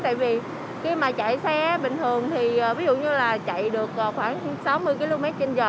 tại vì khi mà chạy xe bình thường thì ví dụ như là chạy được khoảng sáu mươi km trên giờ